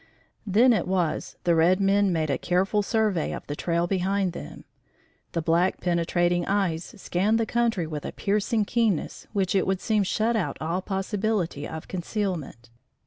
Then it was the red men made a careful survey of the trail behind them. The black penetrating eyes scanned the country with a piercing keenness which it would seem shut out all possibility of concealment.